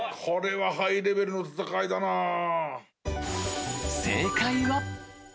これはハイレベルの戦いだなぁ。